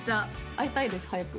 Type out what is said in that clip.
会いたいです早く。